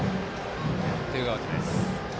ツーアウトです。